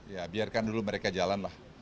jadi biarkan dulu mereka jalan lah